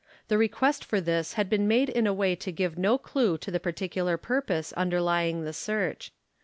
The request for this had been made in a way to give no clew to the particular purpose underlying the search.